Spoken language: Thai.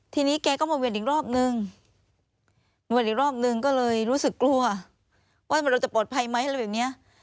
ทีนี้แกก็มาเวียนอีกรอบนึงก็เลยรู้สึกกลัวว่ามันจะปลอดภัยไหมอะไรแบบนี้